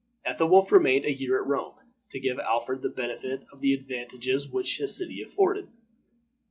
Ethelwolf remained a year at Rome, to give Alfred the benefit of the advantages which the city afforded.